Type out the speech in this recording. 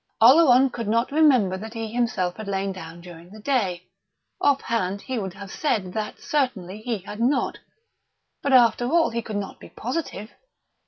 Oleron could not remember that he himself had lain down during the day off hand, he would have said that certainly he had not; but after all he could not be positive.